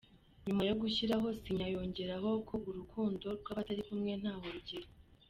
Nyuma yogushyiraho sinya yongeraho ko urukundo rw’abatari kumwe ntaho rugera.